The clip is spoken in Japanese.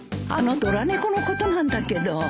あのドラ猫のことなんだけど。